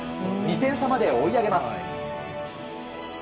２点差まで追い上げます。